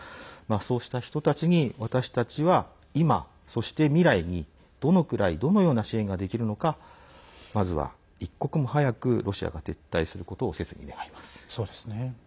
そうした人たちに私たちは今、そして未来にどのくらいどのような支援ができるのかまずは一刻も早くロシアが撤退することを切に願います。